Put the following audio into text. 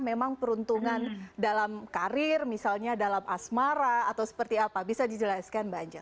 memang peruntungan dalam karir misalnya dalam asmara atau seperti apa bisa dijelaskan mbak anja